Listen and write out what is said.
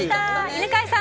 犬飼さん